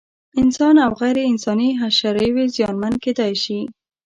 انسان او غیر انساني حشراوې زیانمن کېدای شي.